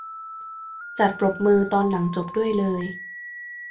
จัดปรบมือตอนหนังจบด้วยเลย